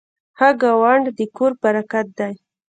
ښه ګاونډ د کور برکت دی.